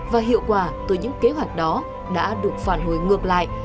và hiệu quả từ những kế hoạch đó đã được phản hồi ngược lại